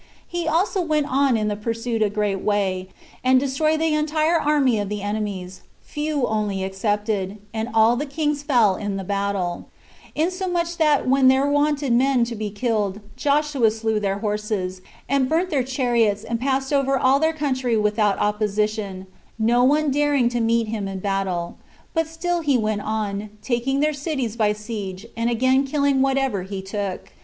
He also went on in the pursuit a great way, and destroyed the entire army of the enemies, few only excepted, and all the kings fell in the battle; insomuch, that when there wanted men to be killed, Joshua slew their horses, and burnt their chariots and passed all over their country without opposition, no one daring to meet him in battle; but he still went on, taking their cities by siege, and again killing whatever he took.